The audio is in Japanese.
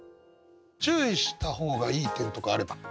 注意した方がいい点とかあれば。